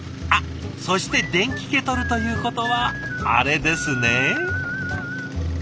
あっそして電気ケトルということはあれですね。